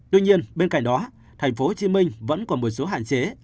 tuy nhiên bên cạnh đó thành phố hồ chí minh vẫn còn một số hạn chế